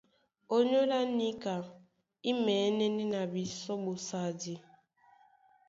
Ónyólá níka í mɛ̌nɛ́nɛ́ na bisɔ́ ɓosadi.